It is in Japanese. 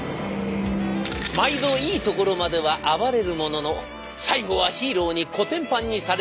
毎度いいところまでは暴れるものの最後はヒーローにこてんぱんにされるウルトラ怪獣。